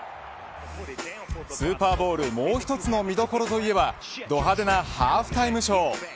スーパーボウルもう一つの見どころといえばど派手なハーフタイムショー。